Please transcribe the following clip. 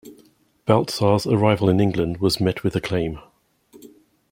Baltzar's arrival in England was met with acclaim.